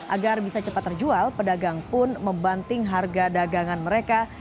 agar bisa cepat terjual pedagang pun membanting harga dagangan mereka